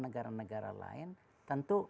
negara negara lain tentu